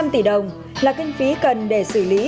hai trăm linh tỷ đồng là kinh phí cần để xử lý